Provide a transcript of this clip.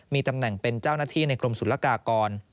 มีตำแหน่งเป็นเจ้าหน้าที่ในกรมศุลกากร